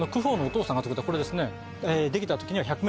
これですね。